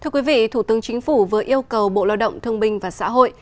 thưa quý vị thủ tướng chính phủ vừa yêu cầu bộ lao động thông minh và xã hội